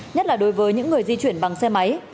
nhất là đối với những người di chuyển bằng xe máy